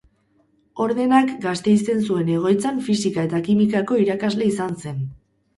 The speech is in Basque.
Ordenak Gasteizen zuen egoitzan fisika eta kimikako irakasle izan zen.